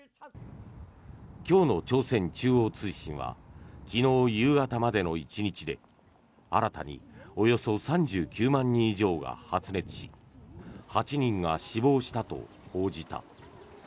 今日の朝鮮中央通信は昨日夕方までの１日で新たにおよそ３９万人以上が発熱し８人が死亡したと報じた。